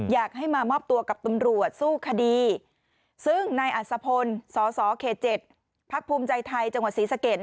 อยากให้มามอบตัวกับตำรวจสู้คดีซึ่งในอัศพลสค๗พจศรีสเกต